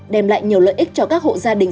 đem lại nhiều lợi ích cho các hộ gia đình